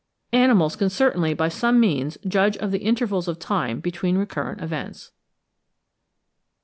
Animals can certainly by some means judge of the intervals of time between recurrent events.